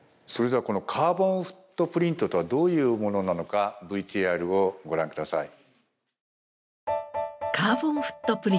それではこのカーボンフットプリントとはどういうものなのかＶＴＲをご覧下さい。